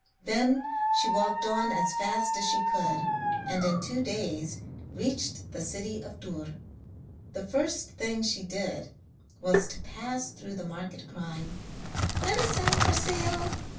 Then she walked on as fast as she could, and in two days reached the city of Dûr. The first thing she did was to pass through the market crying: 'Medicine for sale!